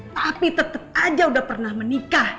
tapi tetap aja udah pernah menikah